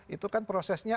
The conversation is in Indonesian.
itu kan prosesnya